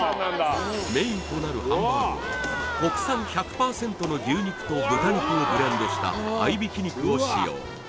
メインとなるハンバーグは国産１００％の牛肉と豚肉をブレンドした合挽肉を使用